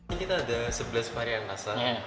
ini kita ada sebelas varian rasa